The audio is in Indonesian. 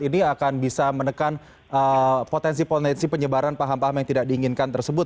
jadi akan bisa menekan potensi potensi penyebaran paham paham yang tidak diinginkan tersebut